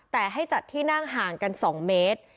แต่ให้จัดที่นั่งห่างกัน๒เมตร